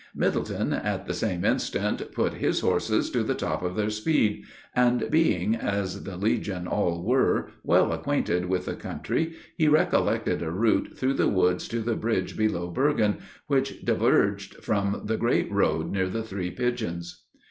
Middleton, at the same instant, put his horses to the top of their speed; and being, as the legion all were, well acquainted with the country, he recollected a route through the woods to the bridge below Bergen, which diverged from the great road near the Three Pigeons.